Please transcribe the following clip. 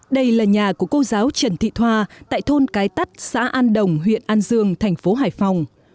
đây là nhà của cô giáo trần thị thoa tại thôn cái tắt xã an đồng huyện an dương thành phố hải phòng